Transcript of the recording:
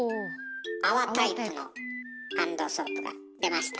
泡タイプのハンドソープが出ましたね。